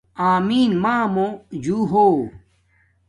آمݵن مݳمݸ جُݸ ہݸ